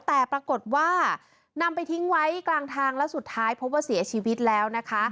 แต่ปรากฏว่านำไปทิ้งไว้กลางทางแล้วสุดท้ายพบว่าเสียชีวิตแล้วนะคะ